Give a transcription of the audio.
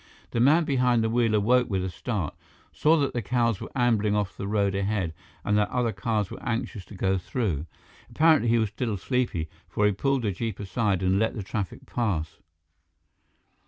The man behind the wheel awoke with a start, saw that the cows were ambling off the road ahead and that the other cars were anxious to go through. Apparently he was still sleepy, for he pulled the jeep aside and let the traffic pass.